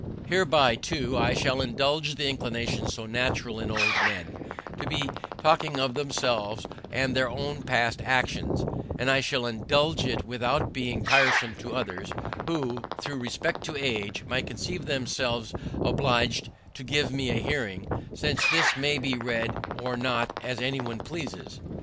Hereby, too, I shall indulge the inclination so natural in old men, to be talking of themselves and their own past actions; and I shall indulge it without being tiresome to others, who, through respect to age, might conceive themselves obliged to give me a hearing, since this may be read or not as anyone pleases.